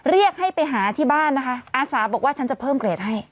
เรียกให้ไปหาที่บ้านนะคะอาสาบอกว่าฉันจะเพิ่มเกรดให้